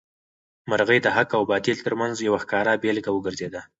مرغۍ د حق او باطل تر منځ یو ښکاره بېلګه وګرځېده.